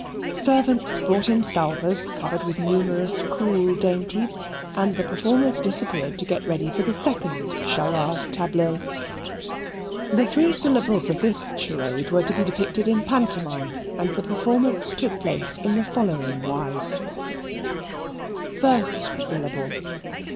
Servants brought in salvers covered with numerous cool dainties, and the performers disappeared to get ready for the second charade tableau. The three syllables of this charade were to be depicted in pantomime, and the performance took place in the following wise: First syllable.